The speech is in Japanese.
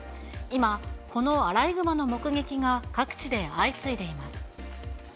今、このアライグマの目撃が各地で相次いでいます。